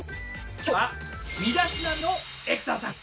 今日は身だしなみのエクササイズ。